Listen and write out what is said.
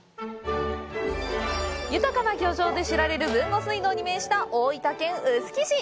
豊かな漁場で知られる豊後水道に面した大分県臼杵市。